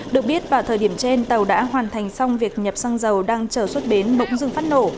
được biết vào thời điểm trên tàu đã hoàn thành xong việc nhập xăng dầu đang chở xuất bến bỗng dưng phát nổ